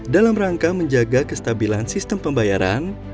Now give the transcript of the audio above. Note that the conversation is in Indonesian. dalam rangka menjaga kestabilan sistem pembayaran